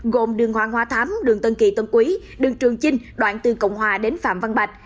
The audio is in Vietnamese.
gồm đường hoàng hóa thám đường tân kỳ tân quý đường trường chinh đoạn từ cộng hòa đến phạm văn bạch